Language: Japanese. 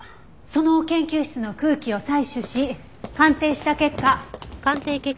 その研究室の空気を採取し鑑定した結果。